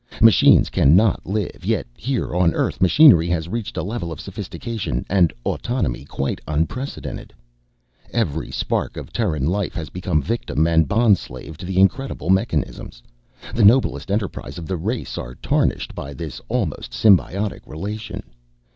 Machines cannot live, yet here on Earth machinery has reached a level of sophistication and autonomy quite unprecedented. Every spark of Terran life has become victim and bondslave of the incredible mechanisms. The noblest enterprises of the race are tarnished by this almost symbiotic relation.